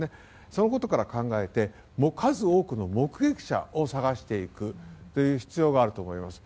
そのことから考えて数多くの目撃者を探していく必要があると思います。